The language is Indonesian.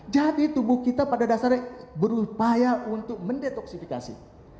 jadi tubuh kita pada dasarnya berupaya untuk mendetoksifikasi